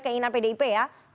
keinginan pdip ya